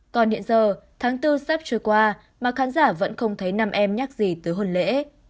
còn hiện giờ tháng bốn sắp trôi qua mà khán giả vẫn không thấy nam em nhắc gì tới hôn lễ